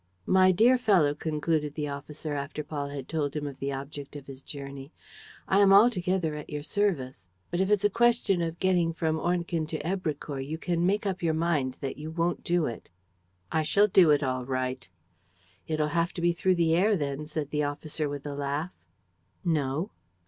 "My dear fellow," concluded the officer, after Paul had told him the object of his journey, "I am altogether at your service; but, if it's a question of getting from Ornequin to Èbrecourt, you can make up your mind that you won't do it." "I shall do it all right." "It'll have to be through the air then," said the officer, with a laugh. "No."